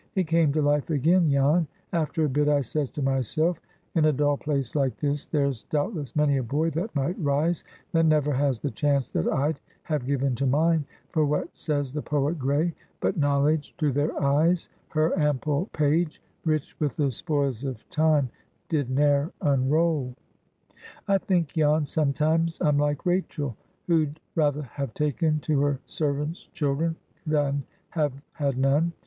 It came to life again, Jan. After a bit, I says to myself, 'In a dull place like this there's doubtless many a boy that might rise that never has the chance that I'd have given to mine. For what says the poet Gray?— "But Knowledge to their eyes her ample page, Rich with the spoils of Time, did ne'er unroll."' "I think, Jan, sometimes, I'm like Rachel, who'd rather have taken to her servant's children than have had none.